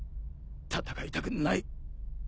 戦いたくない。